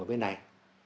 ở bên này